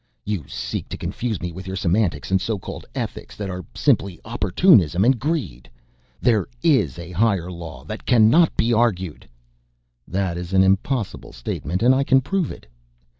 "You seek to confuse me with your semantics and so called ethics that are simply opportunism and greed. There is a Higher Law that cannot be argued " "That is an impossible statement and I can prove it."